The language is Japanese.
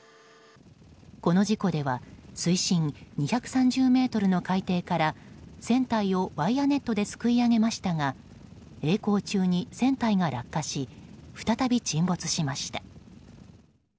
この事故では水深２３０ｍの海底から船体をワイヤネットですくい上げましたが曳航中に船体が落下し再び沈没しました。